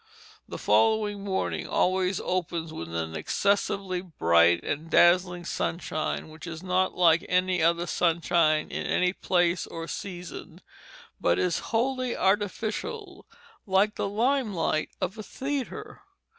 The following morning always opens with an excessively bright and dazzling sunshine which is not like any other sunshine in any place or season, but is wholly artificial, like the lime light of a theatre.